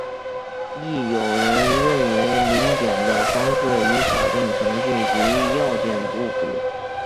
亦有人认为临检的方式与法定程序及要件不符。